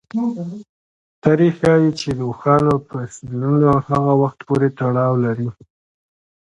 تاریخ ښيي چې د اوښانو فسیلونه هغه وخت پورې تړاو لري.